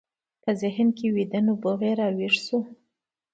په ذهن کې ویده نبوغ یې راویښ شو